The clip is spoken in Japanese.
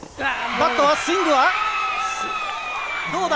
バットはスイングはどうだ？